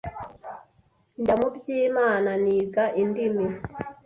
njya mu Byimana niga indimi